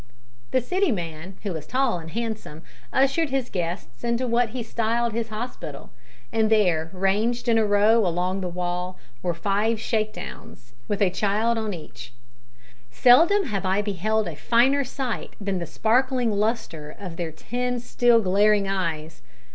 The City man, who was tall and handsome, ushered his guests into what he styled his hospital, and there, ranged in a row along the wall, were five shakedowns, with a child on each. Seldom have I beheld a finer sight than the sparkling lustre of their ten still glaring eyes!